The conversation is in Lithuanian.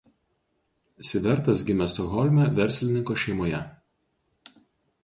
Sivertas gimė Stokholme verslininko šeimoje.